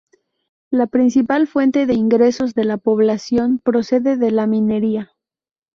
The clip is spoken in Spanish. La principal fuente de ingresos de la población procede de la minería.